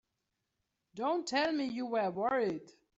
Don't tell me you were worried!